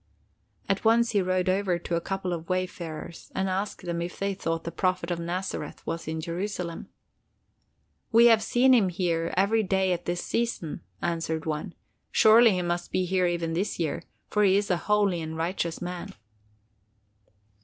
At once he rode over to a couple of wayfarers and asked them if they thought the Prophet of Nazareth was in Jerusalem. "We have seen him here every day at this season," answered one. "Surely he must be here even this year, for he is a holy and righteous man."